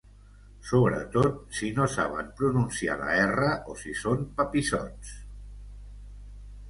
Sobretot si no saben pronunciar la erra o si són papissots.